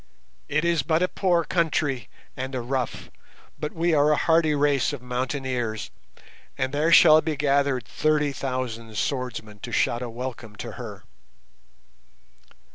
"It is but a poor country and a rough, but we are a hardy race of mountaineers, and there shall be gathered thirty thousand swordsmen to shout a welcome to her."